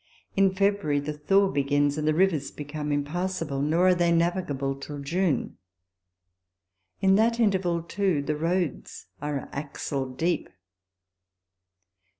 In February the thaw begins, and the rivers become impassable ; nor are they navigable till June. In that interval, too, the roads are axle deep.